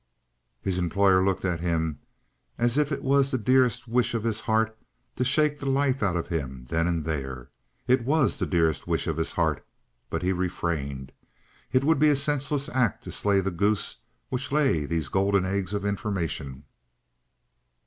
His employer looked at him as if it was the dearest wish of his heart to shake the life out of him then and there. It was the dearest wish of his heart. But he refrained. It would be a senseless act to slay the goose which lay these golden eggs of information.